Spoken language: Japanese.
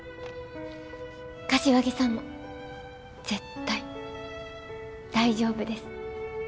柏木さんも絶対大丈夫です。